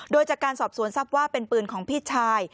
โดยจากการสอบสวนทรัพย์ว่าเป็นปืนของพี่ชาย